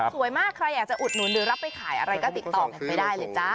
สวยมากใครอยากจะอุดหนุนหรือรับไปขายอะไรก็ติดต่อกันไปได้เลยจ้า